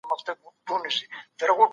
موږ په لاري کي له خطره ځان ساتو.